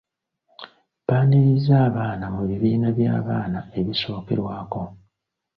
Baaniriza abaana mu bibiina by'abaana ebisookerwako.